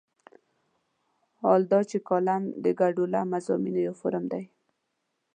حال دا چې کالم د ګډوله مضامینو یو فورم دی.